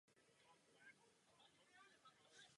Přehlídky se zúčastnily čestné jednotky z pěti států.